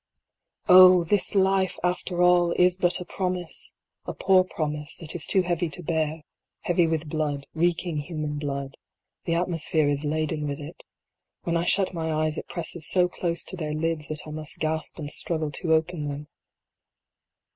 Oh ! this life, after all, is but a promise a poor pro mise, that is too heavy to bear heavy with blood, reeking human blood. The atmosphere is laden with it When I shut my eyes it presses so close to their lids that I must gasp and struggle to open them.